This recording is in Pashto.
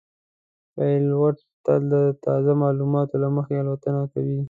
پیلوټ تل د تازه معلوماتو له مخې الوتنه کوي.